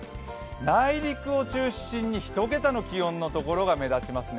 内陸を中心に１桁の気温の所が目立ちますね。